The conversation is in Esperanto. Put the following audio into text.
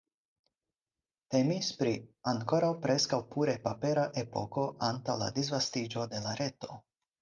Temis pri ankoraŭ preskaŭ pure papera epoko antaŭ la disvastiĝo de la reto.